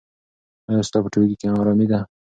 ایا ستا په ټولګي کې ارامي ده؟